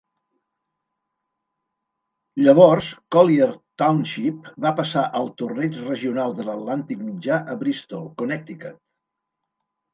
Llavors, Collier Township va passar al Torneig Regional de l'Atlàntic Mitjà a Bristol, Connecticut.